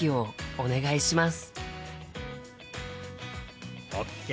お願いします。